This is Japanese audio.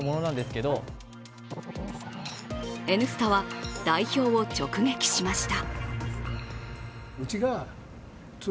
「Ｎスタ」は代表を直撃しました。